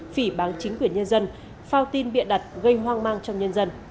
phỉ bán chính quyền nhân dân phao tin bịa đặt gây hoang mang trong nhân dân